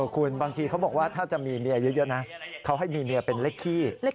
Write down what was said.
คุณบางทีเขาบอกว่าถ้าจะมีเมียอายุเยอะนะเขาให้มีเมียเป็นเลขขี้